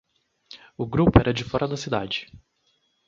O grupo era de fora da cidade.